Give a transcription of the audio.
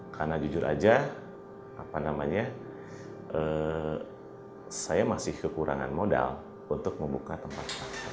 karena jujur saja apa namanya saya masih kekurangan modal untuk membuka tempat